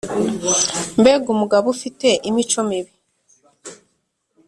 mbega umugabo ufite imico mibi